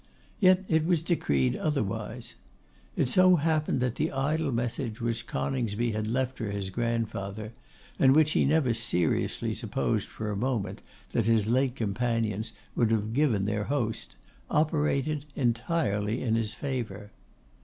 Yet it was decreed otherwise. It so happened that the idle message which Coningsby had left for his grandfather, and which he never seriously supposed for a moment that his late companions would have given their host, operated entirely in his favour.